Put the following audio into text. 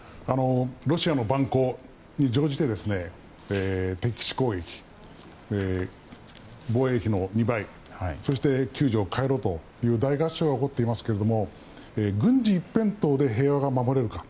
ロシアの蛮行に乗じて敵基地攻撃、防衛費の２倍そして９条を変えろという大合唱が起こっていますが軍事一辺倒で平和が守れるか。